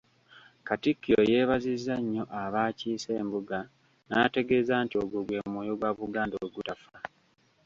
Katikkiro yeebazizza nnyo abaakiise embuga n’ategeeza nti ogwo gwe mwoyo gwa Buganda ogutafa.